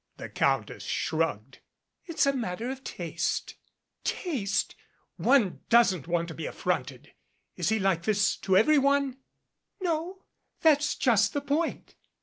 The Countess shrugged. "It's a matter of taste." "Taste ! One doesn't want to be affronted. Is he like this to every one?" "No. That's just the point.